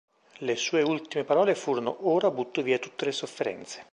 Le sue ultime parole furono "Ora butto via tutte le sofferenze".